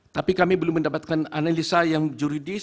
tapi kami belum mendapatkan analisa yang juridis